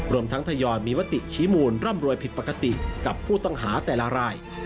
รวมทั้งทยอยมีมติชี้มูลร่ำรวยผิดปกติกับผู้ต้องหาแต่ละราย